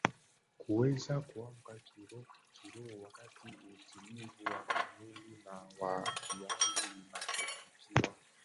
kuweza kuamka kiroho wakati utulivu wa kimwili na wa kiakili unapofikiwa